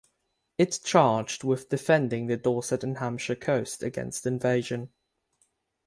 It charged with defending the Dorset and Hampshire coast against invasion.